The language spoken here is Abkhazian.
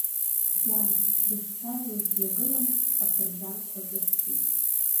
Гьаргь, дышцәажәауаз, дҩагылан афырџьанқәа ирҭәит.